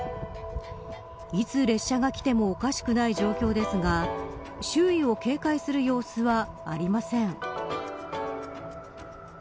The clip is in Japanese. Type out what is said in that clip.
いつ列車が来てもおかしくない状況ですが周囲を警戒する様子はありません。